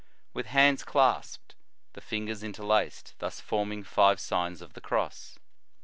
With hands clasped, the fingers interlaced, thus forming five Signs of the Cross.